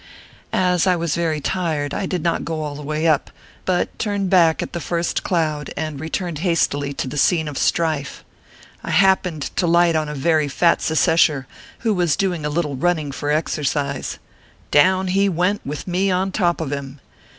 As I was very tired I did not go all the way up ; but turned back at the first cloud, and returned hastily to the scene of strife. I happened to light on a very fat secesher, who was doing a little running for exercise. Down he went, with me on top of him.